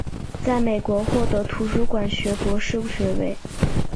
在美国获得图书馆学博士学位。